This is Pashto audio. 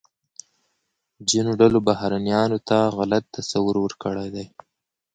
ځینو ډلو بهرنیانو ته غلط تصور ورکړی دی.